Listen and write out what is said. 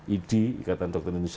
idi ikatan dokter indonesia